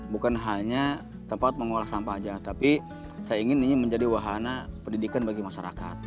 bukan hanya tempat mengolah sampah saja tapi saya ingin ini menjadi wahana pendidikan bagi masyarakat